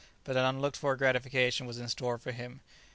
But an unlooked for gratification was in store for him.